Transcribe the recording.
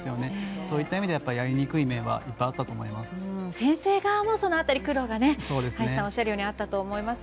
そういった意味ではやりにくい面は先生側もその辺り葉一さんがおっしゃるように苦労があったと思います。